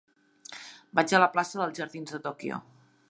Vaig a la plaça dels Jardins de Tòquio.